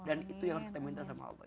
dan itu yang harus kita minta sama allah